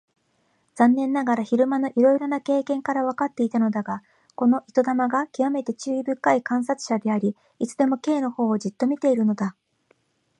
残念ながら昼間のいろいろな経験からわかっていたのだが、この糸玉がきわめて注意深い観察者であり、いつでも Ｋ のほうをじっと見ているのだ。